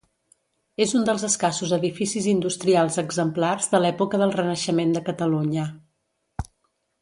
És un dels escassos edificis industrials exemplars de l'època del Renaixement de Catalunya.